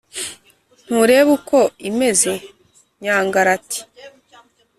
«ntureba uko imeze ‘» nyangara, ati: